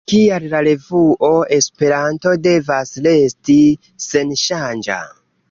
Kial la revuo Esperanto devas resti senŝanĝa?